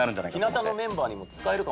日向のメンバーにも使えるかも。